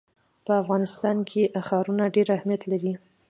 په افغانستان کې ښارونه ډېر اهمیت لري.